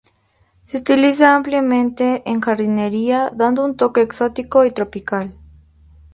Se utiliza ampliamente en jardinería, dando un toque exótico y tropical.